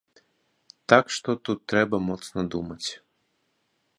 Так што тут трэба моцна думаць.